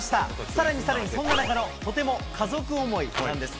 さらにさらにそんな中野、とても家族思いなんです。